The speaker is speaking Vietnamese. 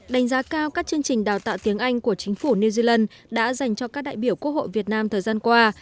đánh giá cao các chương trình đào tạo tiếng anh của chính phủ new zealand đã dành cho các đại biểu quốc hội việt nam thời gian qua